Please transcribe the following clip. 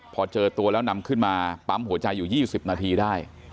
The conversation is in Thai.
พอเจอตัวแล้วนำขึ้นมาปั๊มหัวใจอยู่๒๐นาทีได้